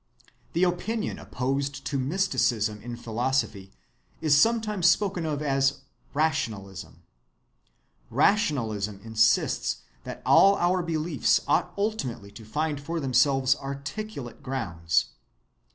The opinion opposed to mysticism in philosophy is sometimes spoken of as rationalism. Rationalism insists that all our beliefs ought ultimately to find for themselves articulate grounds.